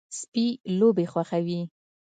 سپي لوبې خوښوي.